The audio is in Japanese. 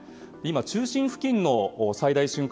中心付近の最大瞬間